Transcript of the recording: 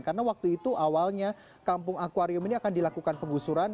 karena waktu itu awalnya kampung akwarium ini akan dilakukan pengusuran